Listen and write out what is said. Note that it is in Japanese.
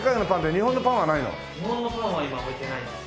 日本のパンは今置いてないです。